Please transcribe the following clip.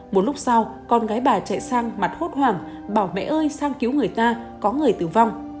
một lúc sau con gái bà chạy sang mặt hốt hoảng bảo vệ ơi sang cứu người ta có người tử vong